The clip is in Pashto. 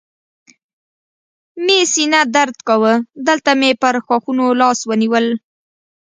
مې سینه درد کاوه، دلته مې پر ښاخونو لاسونه ونیول.